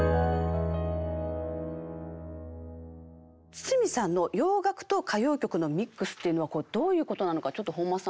筒美さんの洋楽と歌謡曲のミックスっていうのはこれどういうことなのかちょっと本間さん教えていただいてもいいですか？